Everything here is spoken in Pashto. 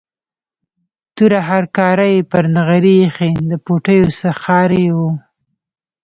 توره هرکاره یې پر نغري ایښې، د پوټیو څښاری و.